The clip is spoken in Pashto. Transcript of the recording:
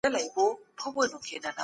د توحيد لاره له علم څخه تيريږي.